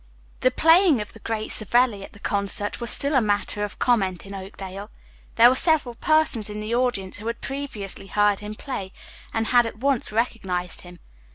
The playing of the great Savelli at the concert was still a matter of comment in Oakdale. There were several persons in the audience who had previously heard him play, and had at once recognized him.